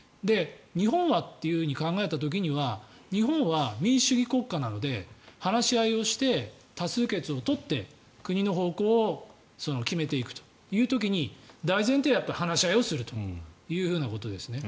日本はと考えた時には日本は民主主義国家なので話し合いをして多数決を取って国の方向を決めていくという時に大前提は話し合いをするというふうなことですね。